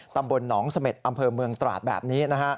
ตำบลหนองเสม็ดอำเภอเมืองตราดแบบนี้